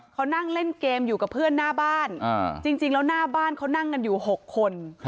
เขานั่งเล่นเกมอยู่กับเพื่อนหน้าบ้านจริงแล้วหน้าบ้านเขานั่งกันอยู่๖คน